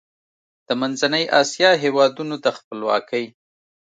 د منځنۍ اسیا هېوادونو د خپلواکۍ